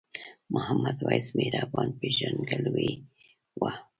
محمد وېس مهربان پیژندګلوي وه.